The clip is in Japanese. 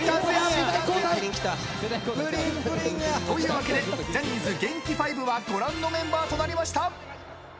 というわけでジャニーズ元気５はご覧のメンバーとなりました。